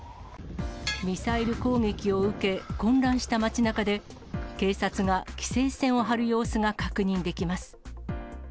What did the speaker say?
ミサイル攻撃を受け、混乱した街なかで、警察が規制線を張る様子が確認できます。